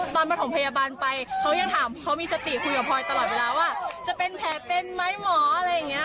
ประถมพยาบาลไปเขายังถามเขามีสติคุยกับพลอยตลอดเวลาว่าจะเป็นแผลเป็นไหมหมออะไรอย่างนี้